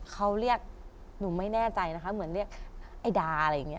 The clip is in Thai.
เขาเรียกหนูไม่แน่ใจนะคะเหมือนเรียกไอ้ดาอะไรอย่างนี้